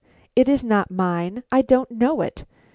It is not mine, I don't know it!"